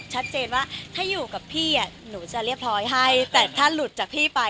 ชัดเจนว่าถ้าอยู่กับพี่หนูจะเรียบร้อยให้แต่ถ้าหลุดจากพี่ไป